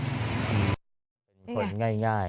เป็นคนง่าย